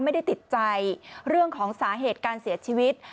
ไม่ได้ติดใจเรื่องของสาเหตุการเสียชีวิต